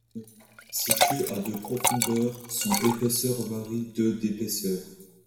Situé à de profondeur, sont épaisseur varie de d'épaisseur.